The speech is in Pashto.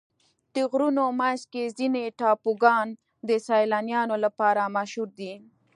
د غرونو منځ کې ځینې ټاپوګان د سیلانیانو لپاره مشهوره دي.